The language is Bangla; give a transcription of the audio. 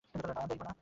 না, যাইব না।